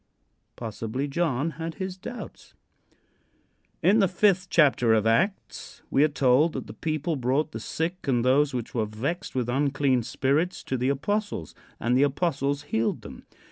Possibly John had his doubts. In the fifth chapter of Acts we are told that the people brought the sick and those which were vexed with unclean spirits to the apostles, and the apostles healed them.